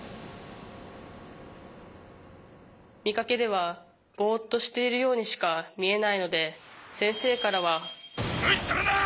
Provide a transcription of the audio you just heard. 見かけではボッとしているようにしか見えないので先生からは無視するな！